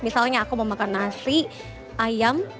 misalnya aku mau makan nasi ayam